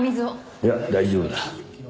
いや大丈夫だ。